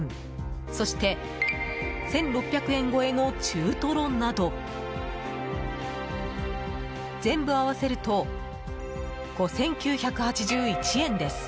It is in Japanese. そして１６００円超えの中トロなど全部合わせると５９８１円です。